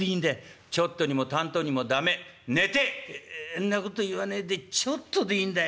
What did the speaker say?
「んなこと言わねえでちょっとでいんだい」。